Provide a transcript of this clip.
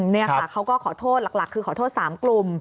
นี่ค่ะเขาก็ขอโทษหลักคือขอโทษ๓กลุ่ม